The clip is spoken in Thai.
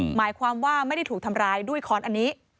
หมายความว่าไม่ได้ถูกทำร้ายด้วยค้อนอันนี้